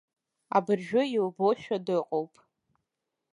Абыржәы илбошәа дыҟоуп.